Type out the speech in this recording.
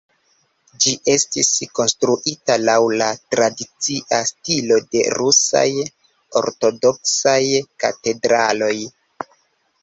Ĝi estis konstruita laŭ la tradicia stilo de rusaj ortodoksaj katedraloj.